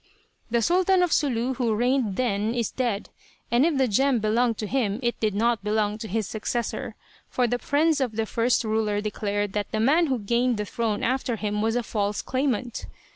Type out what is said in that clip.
The Sultan of Sulu who reigned then is dead, and if the gem belonged to him it did not belong to his successor; for the friends of the first ruler declared that the man who gained the throne after him was a false claimant.